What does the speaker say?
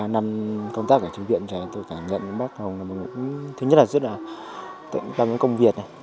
ba năm công tác ở trường viện tôi cảm nhận bác hồng là một người cũng thứ nhất là rất là tận tâm với công việc